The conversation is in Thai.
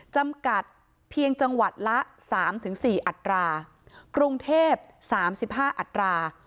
จำกัดเพียงจังหวัดละ๓๔อัตรากรุงเทพ๓๕อัตรา